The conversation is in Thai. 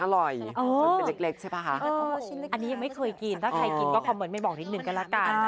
อร่อยเป็นเล็กใช่ป่ะคะอันนี้ยังไม่เคยกินถ้าใครกินก็คอมเมินไม่บอกนิดนึงกันละกันค่ะ